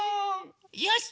よし！